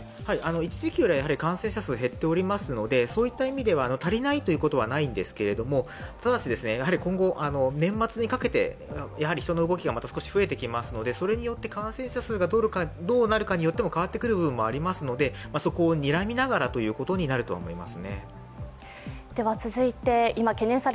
一時期より感染者数が減っていますので足りないということはないんですけどただし、今後、年末にかけて人の動きが少し増えてきますので、それによって感染者数がどうなるかによっても変わってくる部分もありますのでそこをにらみながらということになると思います。